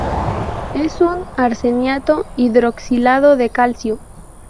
Es un arseniato hidroxilado de calcio.